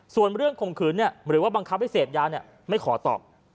ส่วนเรื่องข่มขืนหรือว่าบังคับให้เสพยาไม่ขอตอบ